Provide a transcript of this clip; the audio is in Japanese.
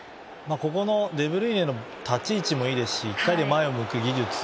ここのデブルイネの立ち位置もいいですし１回で前を向く技術